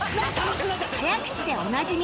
早口でおなじみ